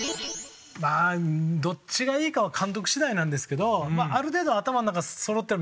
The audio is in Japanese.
まあどっちがいいかは監督次第なんですけどある程度は頭の中そろってる。